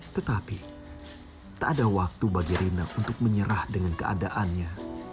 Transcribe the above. tetapi tak ada waktu bagi rina untuk menyerah dengan keadaannya